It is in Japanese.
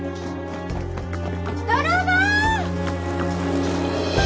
泥棒！